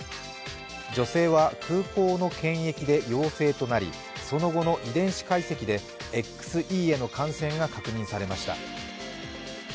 女性は空港の検疫で陽性となりその後の遺伝子解析でＸＥへの感染が確認されました。